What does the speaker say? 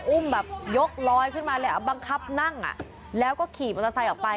อุ้มแบบยกลอยขึ้นมาเลยเอาบังคับนั่งแล้วก็ขี่มอเตอร์ไซค์ออกไป